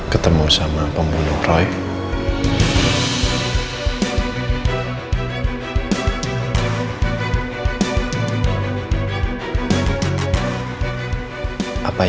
ketemu sama pembunuh roy